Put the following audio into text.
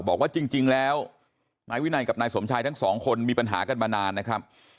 บอกว่าจริงแล้วนายวินัยกับนายสมชายทั้งสองคนมีปัญหากันมานานนะครับ